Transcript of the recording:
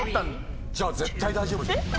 じゃあ絶対大丈夫じゃん。